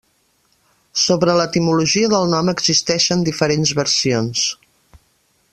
Sobre l'etimologia del nom existeixen diferents versions.